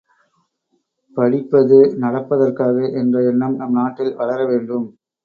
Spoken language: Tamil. படிப்பது நடப்பதற்காக என்ற எண்ணம் நம் நாட்டில் வளர வேண்டும்!